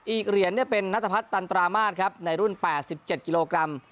อีกเหรียญเป็นนัทพัฒนตันตรามาศครับในรุ่น๘๗กิโลกรัม